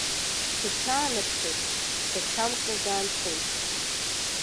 Дахьаанаԥшыз, дгачамкны даанхеит.